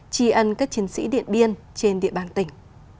tri ân các chiến sĩ điện biên trên địa bàn tỉnh